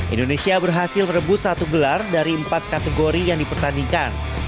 indonesia berhasil merebut satu gelar dari empat kategori yang dipertandingkan